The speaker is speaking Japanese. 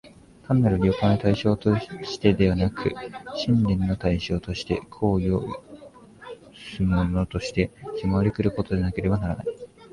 単なる了解の対象としてでなく、信念の対象として、行為を唆すものとして、迫り来ることでなければならない。